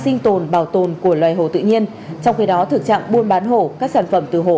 sinh tồn bảo tồn của loài hổ tự nhiên trong khi đó thực trạng buôn bán hổ các sản phẩm từ hổ